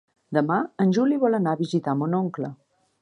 Demà en Juli vol anar a visitar mon oncle.